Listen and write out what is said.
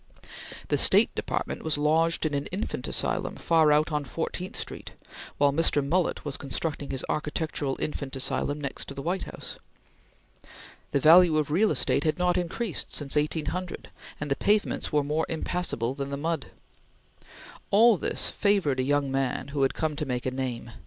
The State Department was lodged in an infant asylum far out on Fourteenth Street while Mr. Mullett was constructing his architectural infant asylum next the White House. The value of real estate had not increased since 1800, and the pavements were more impassable than the mud. All this favored a young man who had come to make a name.